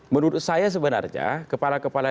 menurut saya sebenarnya kepala kepala